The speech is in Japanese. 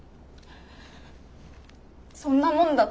そんなもんだった？